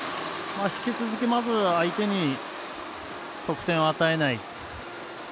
引き続き、まず相手に得点を与えない。